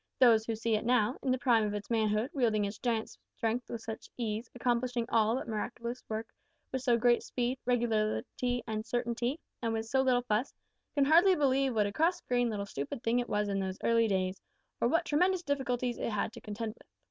Those who see it now, in the prime of its manhood, wielding its giant strength with such ease, accomplishing all but miraculous work with so great speed, regularity, and certainty, and with so little fuss, can hardly believe what a cross grained little stupid thing it was in those early days, or what tremendous difficulties it had to contend with.